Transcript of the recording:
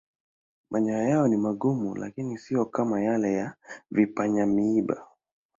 Manyoya yao ni magumu lakini siyo kama yale ya vipanya-miiba.